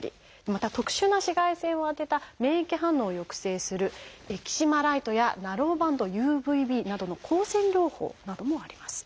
また特殊な紫外線を当てた免疫反応を抑制する「エキシマライト」や「ナローバンドＵＶＢ」などの光線療法などもあります。